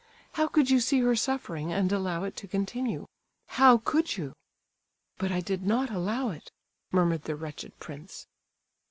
How could you see her suffering and allow it to continue? How could you?" "But I did not allow it," murmured the wretched prince.